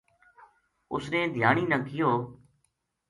اس نے دھیانی نا کہیو